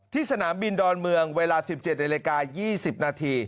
ที่สนามบินดอนเมืองเวลา๑๗น๒๐น